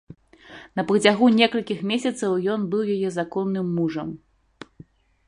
На працягу некалькіх месяцаў ён быў яе законным мужам.